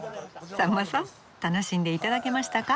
さんまさん楽しんで頂けましたか？